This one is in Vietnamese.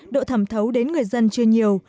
độ thẩm thấu đến người dân chưa nhiều